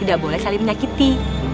tidak boleh saling menyakiti